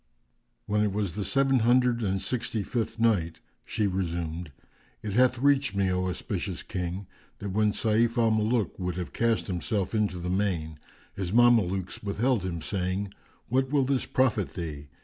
When it was the Seven Hundred and Sixty fifth Night, She resumed, It hath reached me, O auspicious King, that when Sayf al Muluk would have cast himself into the main, his Mamelukes withheld him saying, "What will this profit thee?